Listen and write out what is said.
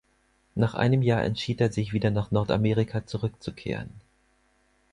Nach einem Jahr entschied er sich wieder nach Nordamerika zurückzukehren.